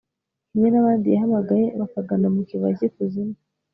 kimwe n'abandi yahamagaye bakagana mu kibaya cy'ikuzimu